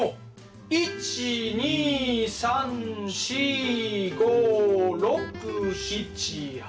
１２３４５６７８。